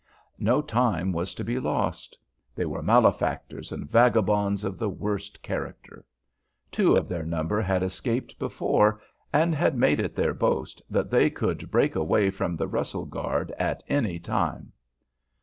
No time was to be lost. They were malefactors and vagabonds of the worst character. Two of their number had escaped before and had made it their boast that they could break away from the Russell guard at any time.